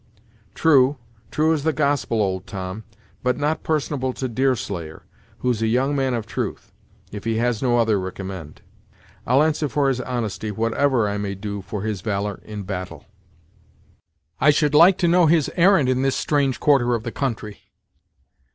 "True true as the Gospel, old Tom; but not personable to Deerslayer, who's a young man of truth, if he has no other ricommend. I'll answer for his honesty, whatever I may do for his valor in battle." "I should like to know his errand in this strange quarter of the country."